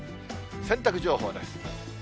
洗濯情報です。